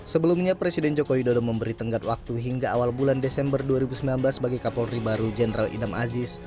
sebelumnya presiden joko widodo memberi tenggat waktu hingga awal bulan desember dua ribu sembilan belas bagi kapolri baru jenderal idam aziz